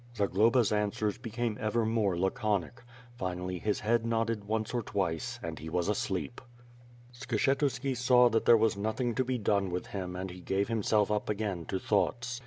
Zagloba's answers became ever more laconic. Finally his head nodded once or twice, and he was asleep. Skshetuski saw that there was nothing to be done with him and he gave himself up again to thoughts.